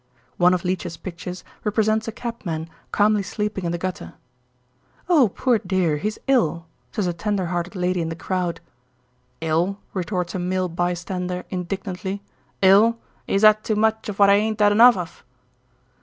One of Leech's pictures represents a cab man calmly sleeping in the gutter. "Oh, poor dear, he's ill," says a tender hearted lady in the crowd. "Ill!" retorts a male bystander indignantly, "Ill! 'E's 'ad too much of what I ain't 'ad enough of."